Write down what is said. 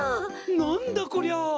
なんだこりゃ！？